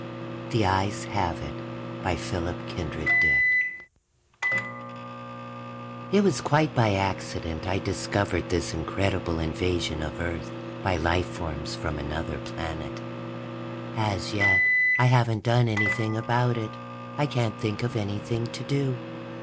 _ The Eyes Have It by PHILIP K. DICK It was quite by accident I discovered this incredible invasion of Earth by lifeforms from another planet. As yet, I haven't done anything about it; I can't think of anything to do.